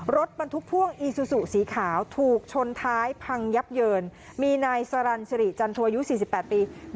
รถบรรทุกพ่วงอีซูซุสีขาวถูกชนท้ายพังยับเยินมีนายสรรชริจันทรวยุสี่สิบแปดปี